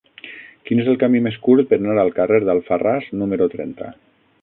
Quin és el camí més curt per anar al carrer d'Alfarràs número trenta?